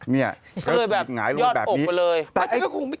เลือดทิบหงายลงในแบบนี้เต็ดยอดอกป่ะเลย